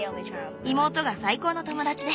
妹が最高の友だちで。